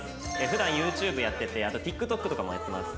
普段ＹｏｕＴｕｂｅやっててあとＴｉｋＴｏｋとかもやってます。